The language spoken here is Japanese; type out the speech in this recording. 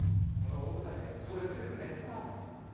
この大舞台で自己ベストですよね。